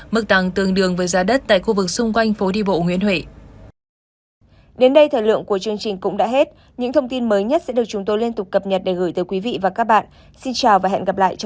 mức tăng tương đương với giá đất tại khu vực xung quanh phố đi bộ nguyễn huệ